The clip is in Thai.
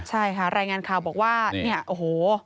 ใช่ค่ะรายงานข่าวบอกว่าเนี่ยโอ้โห